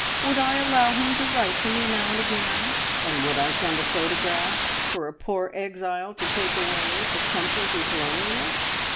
Would I allow him to write to me now and again, and would I send a photograph for a poor exile to take away to comfort his loneliness?